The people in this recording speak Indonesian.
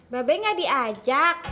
bebek nggak diajak